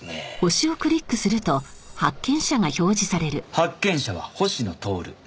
発見者は星野亮。